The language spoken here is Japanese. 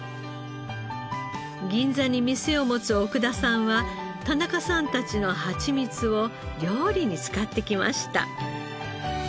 銀座に店を持つ奥田さんは田中さんたちのハチミツを料理に使ってきました。